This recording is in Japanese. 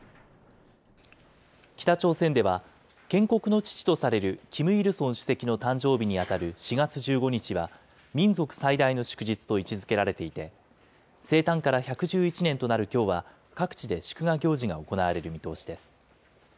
北朝鮮では、建国の父とされるキム・イルソン主席の誕生日に当たる４月１５日は、民族最大の祝日と位置づけられていて、生誕から１１１年となるきょうは、各地で祝賀行事が行われる見通しです。